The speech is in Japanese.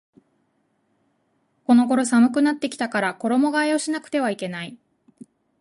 この頃寒くなってきたから衣替えをしなくてはいけない